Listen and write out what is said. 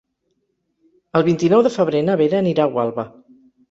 El vint-i-nou de febrer na Vera anirà a Gualba.